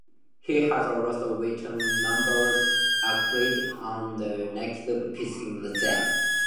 He has also written numerous articles on ancient military themes.